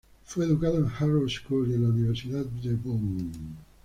Fue educado en Harrow School y en la Universidad de Bonn.